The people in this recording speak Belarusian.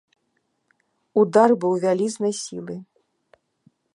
Удар быў вялізнай сілы.